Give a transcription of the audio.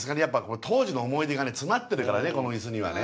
当時の思い出が詰まってるからねこのイスにはね。